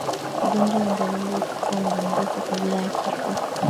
Ugonjwa wa ndorobo huchukua muda mrefu kabla ya kifo